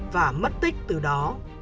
và mất tích từ đó